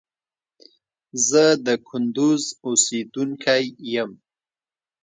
زه د کندوز اوسیدونکي یم